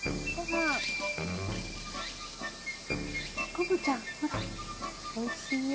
コモちゃんほらおいしいよ。